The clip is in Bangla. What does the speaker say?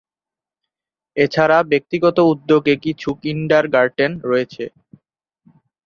এছাড়া ব্যক্তিগত উদ্যোগে কিছু কিন্ডারগার্টেন রয়েছে।